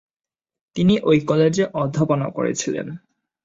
তিনি ঐ কলেজে অধ্যাপনাও করেছিলেন।